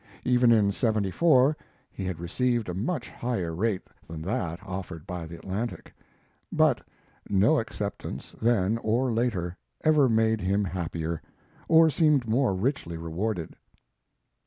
Even in '74 he had received a much higher rate than that offered by the Atlantic, but no acceptance, then, or later, ever made him happier, or seemed more richly rewarded.